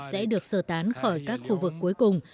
sẽ được sơ tán khỏi các khu vực cuối cùng